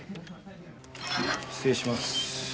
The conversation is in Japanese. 失礼します。